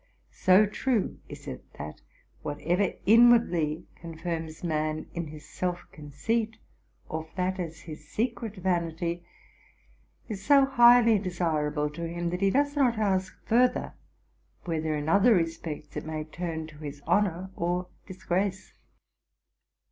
So true is it that whatever inwardly confirms man in his self conceit, or flatters his se cret vanity, is so highly desirable to him, that he does not ask further, whether in other respects it may turn to his honor or disgrace.